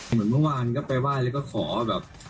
เหมือนเมื่อวานก็ไปไหว้แล้วก็ขอแบบ